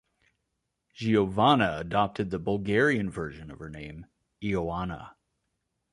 Giovanna adopted the Bulgarian version of her name, Ioanna.